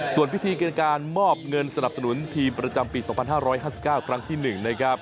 ส่วนพิธีการมอบเงินสนับสนุนทีมประจำปี๒๕๕๙ครั้งที่๑นะครับ